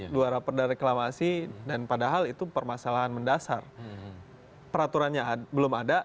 dua rapor dan reklamasi dan padahal itu permasalahan mendasar peraturannya belum ada